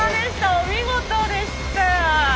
お見事でした！